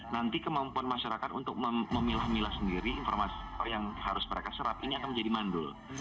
nanti kemampuan masyarakat untuk memilah milah sendiri informasi yang harus mereka serap ini akan menjadi mandul